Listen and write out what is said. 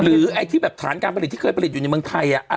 ไอ้ที่แบบฐานการผลิตที่เคยผลิตอยู่ในเมืองไทย